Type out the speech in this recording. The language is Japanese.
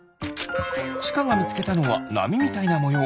ちかがみつけたのはなみみたいなもよう。